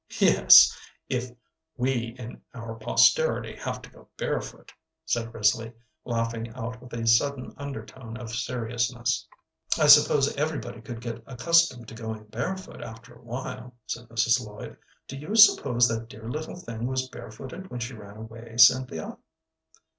"Yes, if we and our posterity have to go barefoot," said Risley, laughing out with a sudden undertone of seriousness. "I suppose everybody could get accustomed to going barefoot after a while," said Mrs. Lloyd. "Do you suppose that dear little thing was barefooted when she ran away, Cynthia?"